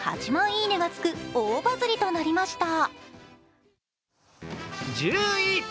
いいね！がつく大バズりとなりました。